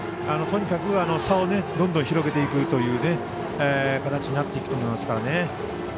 とにかく差をどんどんと広げていくという形になっていくと思います。